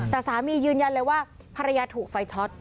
แต่สามียืนยันเลยว่าภรรยาถูกไฟช็อต